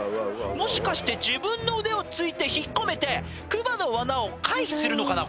もしかして自分の腕をついて引っ込めてクマの罠を回避するのかな？